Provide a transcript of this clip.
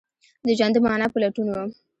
د ژوند د معنی په لټون وم